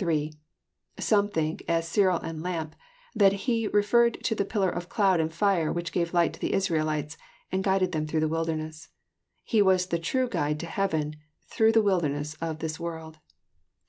(8) Some think, as Cyril and Lampe, that He referred to the pillar of cloud and fire which gave light to the Israelites, and gn^ided them through the wilderness. He was the true guide to heaven, through the wilderness of this world.